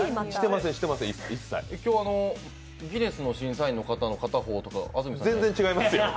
今日、ギネスの審査員の方の片方とか安住さん全然違いますよ。